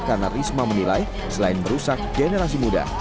karena risma menilai selain merusak generasi muda